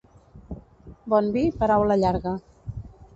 Bon vi, paraula llarga.